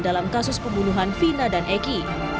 dalam kasus pembunuhan vina dan eki